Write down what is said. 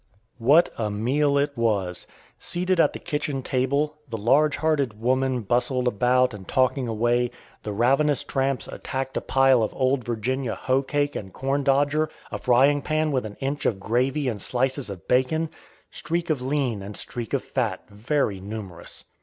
What a meal it was! Seated at the kitchen table, the large hearted woman bustling about and talking away, the ravenous tramps attacked a pile of old Virginia hoe cake and corn dodger, a frying pan with an inch of gravy and slices of bacon, streak of lean and streak of fat, very numerous.